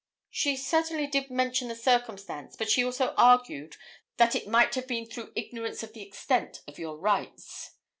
'She certainly did mention the circumstance; but she also argued that it might have been through ignorance of the extent of your rights.'